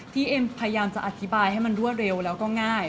เอ็มพยายามจะอธิบายให้มันรวดเร็วแล้วก็ง่าย